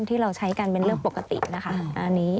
ที่เราใช้กันเป็นเรื่องปกตินะคะ